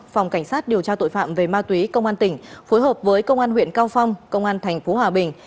phòng cảnh sát điều tra tội phạm về ma túy công an tỉnh phối hợp với công an huyện cao phong công an tp hòa bình